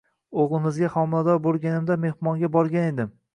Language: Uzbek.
O`g`limizga homilador bo`lganimda mehmonga borgan edim